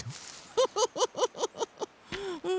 フフフフフ！